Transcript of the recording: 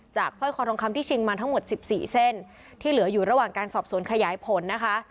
สร้อยคอทองคำที่ชิงมาทั้งหมดสิบสี่เส้นที่เหลืออยู่ระหว่างการสอบสวนขยายผลนะคะ